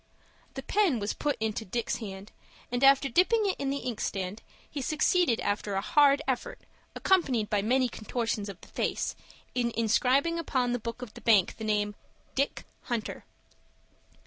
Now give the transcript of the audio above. The pen was put into Dick's hand, and, after dipping it in the inkstand, he succeeded after a hard effort, accompanied by many contortions of the face, in inscribing upon the book of the bank the name DICK HUNTER.